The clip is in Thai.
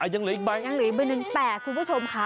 ยังเหลืออีกใบยังเหลืออีกใบหนึ่งแต่คุณผู้ชมค่ะ